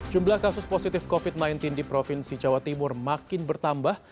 jumlah kasus positif covid sembilan belas di provinsi jawa timur makin bertambah